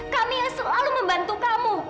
kamu selalu membantu kamu